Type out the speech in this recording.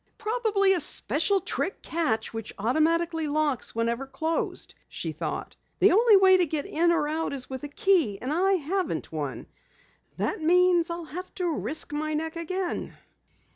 "Probably a special trick catch which automatically locks whenever closed," she thought. "The only way to get in or out is with a key, and I haven't one. That means I'll have to risk my neck again."